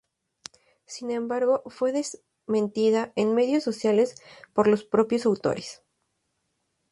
Sin embargo fue desmentida en medios sociales por los propios autores.